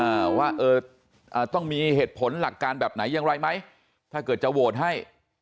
อ่าว่าเอออ่าต้องมีเหตุผลหลักการแบบไหนอย่างไรไหมถ้าเกิดจะโหวตให้